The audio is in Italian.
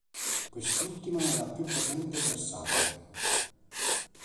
Quest'ultima è la più potente e versatile.